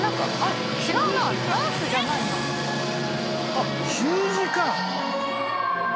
あっ習字か。